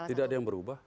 tidak ada yang berubah